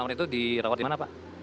kamar itu di rauhat di mana pak